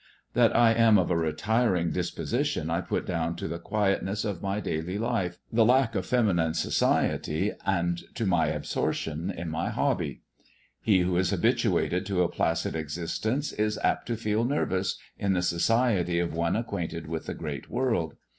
That I am of a retiring disposition I put down to the 372 MT COUSIN FROM FBAKCE qoietiiess of m j daily lif e^ the lack of feminine soci^, and to m J absorption in my hobby. He who is habituated to a placid existence is apt to feel nervous in the society of one acquainted with the great world.